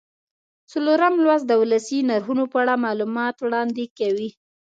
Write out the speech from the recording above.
څلورم لوست د ولسي نرخونو په اړه معلومات وړاندې کوي.